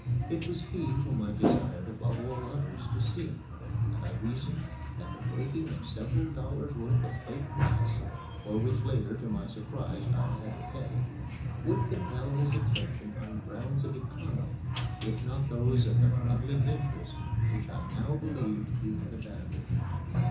It was he whom I desired above all others to see, and I reasoned that the breaking of several dollars' worth of plate glass (for which later, to my surprise, I had to pay) would compel his attention on grounds of economy, if not those of the friendly interest which I now believed he had abandoned.